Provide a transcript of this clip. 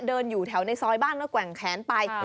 อยู่แถวในซอยบ้านก็แกว่งแขนไป